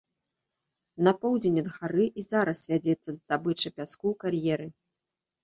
На поўдзень ад гары і зараз вядзецца здабыча пяску ў кар'еры.